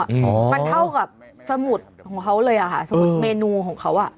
มันเท่ากับสมุดของเขาเลยอ่ะค่ะสมุดเมนูของเขาอ่ะ